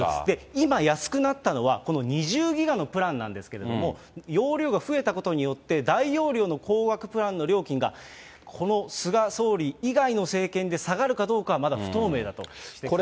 今、安くなったのは、この２０ギガのプランなんですけれども、容量が増えたことによって、大容量の高額プランの料金が、この菅総理以外の政権で下がるかどうかはまだ不透明だということ。